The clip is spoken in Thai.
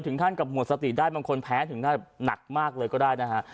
ท่านกับหมดสติได้บางคนแพ้ถึงหนักมากเลยก็ได้นะฮะ